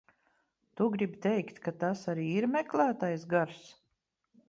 Tu gribi teikt, ka tas arī ir meklētais gars?